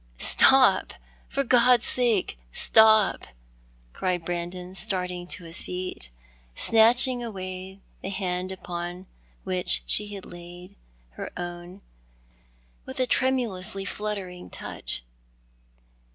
"Stop! for God's sake, stop!" cried Brandon, starting to his feet, snatching away the hand upon which she had laid her own with a tremulously fluttering touch.